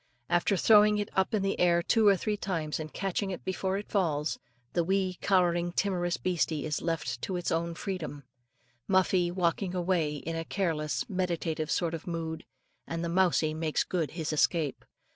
After throwing it up in the air two or three times, and catching it before it falls, the wee "cowering timorous beastie" is left to its own freedom, Muffie walking away in a careless, meditative sort of mood, and the mousie makes good his escape.